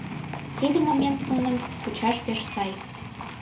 Тиде момент нуным кучаш пеш сай.